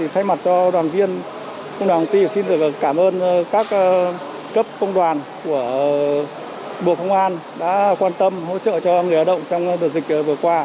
thay mặt cho đoàn viên công đoàn công ty xin được cảm ơn các cấp công đoàn của bộ công an đã quan tâm hỗ trợ cho người lao động trong đợt dịch vừa qua